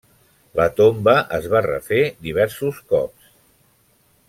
La tomba es va refer diversos cops.